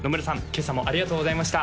今朝もありがとうございました